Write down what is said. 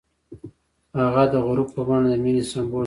هغه د غروب په بڼه د مینې سمبول جوړ کړ.